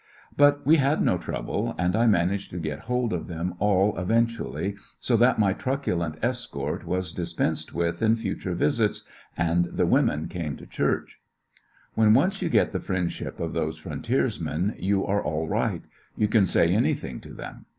But we had no trouble, and I managed to get hold of them all event ually, so that my truculent escort was dis pensed with in future visits, and the women came to church. Time to be in When once you get the friendship of those troduced ^ o frontiersmen you are all right ; you can say anything to them.